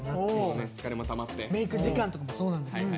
メーク時間とかもそうなんです。